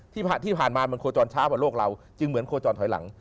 ที่ผ่านมามันโคจรช้ากว่าโลกเราจึงเหมือนโคจรถอยหลัง